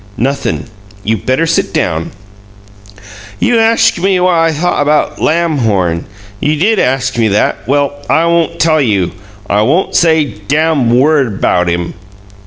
"Nothin'. You better sit down." "You ask' me what I thought about Lamhorn. You did ask me that. Well, I won't tell you. I won't say dam' word 'bout him!"